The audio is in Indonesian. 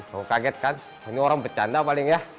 kamu kaget kan ini orang bercanda paling ya